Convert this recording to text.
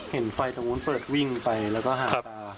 เห็นไฟตรงนู้นเปิดวิ่งไปก็หาตา